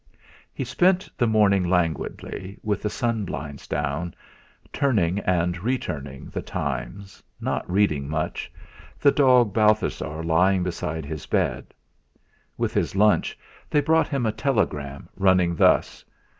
He spent the morning languidly with the sun blinds down, turning and re turning The Times, not reading much, the dog Balthasar lying beside his bed. With his lunch they brought him a telegram, running thus